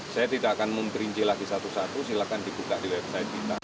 saya tidak akan memperinci lagi satu satu silahkan dibuka di website kita